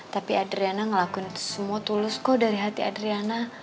tapi adriana ngelakuin semua tulus kok dari hati adriana